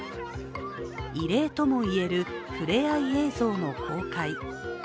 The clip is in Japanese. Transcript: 異例ともいえる、触れ合い映像の公開。